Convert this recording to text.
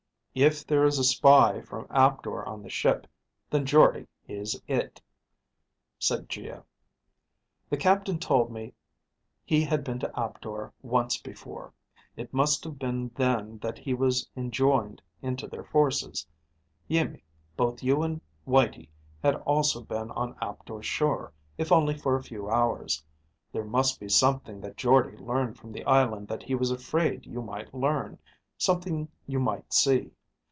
"If there is a spy from Aptor on the ship, then Jordde is it," said Geo. "The captain told me he had been to Aptor once before. It must have been then that he was enjoined into their forces. Iimmi, both you and Whitey had also been on Aptor's shore, if only for a few hours. There must be something that Jordde learned from the island that he was afraid you might learn, something you might see.